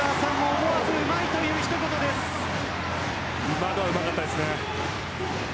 今のはうまかったですね。